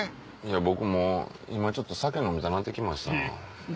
僕も今ちょっと酒飲みたなってきました。